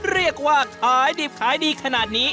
เรียกว่าขายดิบขายดีขนาดนี้